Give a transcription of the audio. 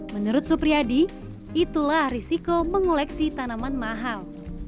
menurut supriyadi itulah risiko mengoleksi tanaman mahal